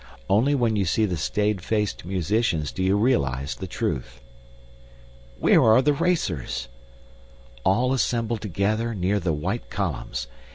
Only when you see the staid faced musicians do you realize the truth. Where are the racers? All assembled together near the white columns.